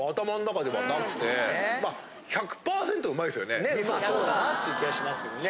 ねうまそうだなっていう気はしますけどね。